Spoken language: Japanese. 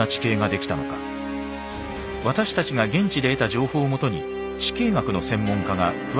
私たちが現地で得た情報を基に地形学の専門家が詳しく調べました。